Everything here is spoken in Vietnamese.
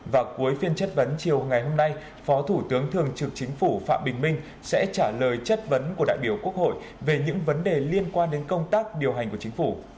và cuối phiên chất vấn chiều ngày hôm nay phó thủ tướng thường trực chính phủ phạm bình minh sẽ trả lời chất vấn của đại biểu quốc hội về những vấn đề liên quan đến công tác điều hành của chính phủ